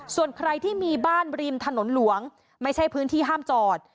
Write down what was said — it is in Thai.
ส่วนใครที่มีบ้านริมถนนหลวงไม่ใช่พื้นที่ห้ามจอด